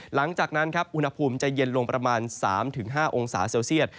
หลังจากนั้นครับอุณหภูมิจะเย็นลงประมาณ๓๕องศาเซลเซียต